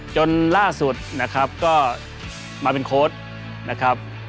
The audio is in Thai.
จนล่าสุดนะครับก็มาเป็นโค้ดนะครับ